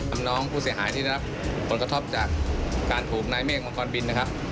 น้องผู้เสียหายที่ได้รับผลกระทบจากการถูกนายเมฆมังกรบินนะครับ